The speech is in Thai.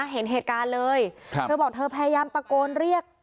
เห็นเหตุการณ์เลยเธอบอกเธอพยายามตะโกนเรียก